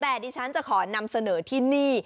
แต่ดิฉันจะขอนำเสนอที่นี่